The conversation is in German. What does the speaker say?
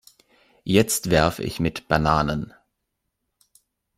Jetzt werfe ich mit Bananen.